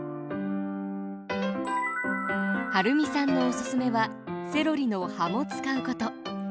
はるみさんのおすすめはセロリの葉も使うこと。